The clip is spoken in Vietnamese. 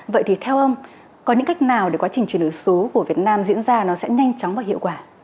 vậy thì theo ông có những cách nào để quá trình chuyển đổi số của việt nam diễn ra nó sẽ nhanh chóng và hiệu quả